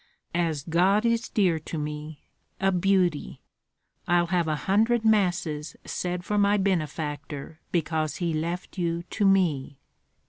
"As God is dear to me, a beauty! I'll have a hundred Masses said for my benefactor because he left you to me.